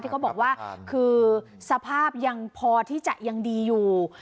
เขาบอกว่าคือสภาพยังพอที่จะยังดีอยู่